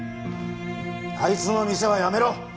あいつの店は辞めろ！